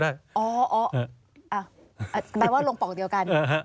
แปลว่าลงปอกเดียวกัน